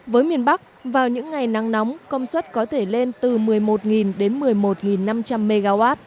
với miền bắc vào những ngày nắng nóng công suất có thể lên từ một mươi một đến một mươi một năm trăm linh mw